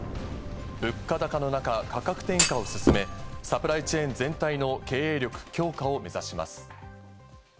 物価高の中、価格転嫁を進め、サプライチェーン全体の経営力強化を目指します。